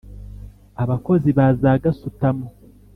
abakozi baza gasutamo